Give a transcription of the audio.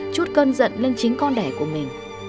chút cơn giận lên chính con đẻ của mình